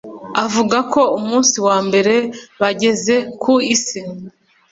avuga ko umunsi wa mbere bageze ku Isi